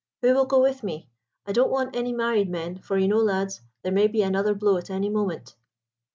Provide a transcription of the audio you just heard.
Who will go with me? I don't want any married men, for you know, lads, there may be another blow at any moment."